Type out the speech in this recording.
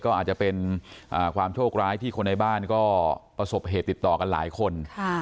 ก็อาจจะเป็นความโชคร้ายที่คนในบ้านก็ประสบเหตุติดต่อกันหลายคน